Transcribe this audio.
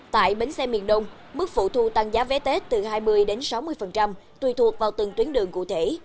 tại bến xe miền đông mức phụ thu tăng giá vé tết từ hai mươi sáu mươi tùy thuộc vào từng tuyến đường cụ thể